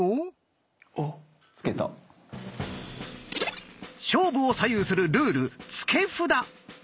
勝負を左右するルール「付け札」。